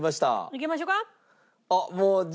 いきましょうか。